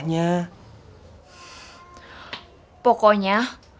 kayak obatatu ya